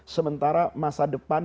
sementara masa depan